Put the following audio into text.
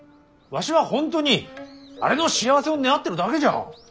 わしは本当にあれの幸せを願ってるだけじゃ。